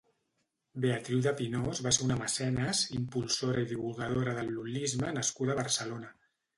Beatriu de Pinós va ser una mecenes, impulsora i divulgadora del lul·lisme nascuda a Barcelona.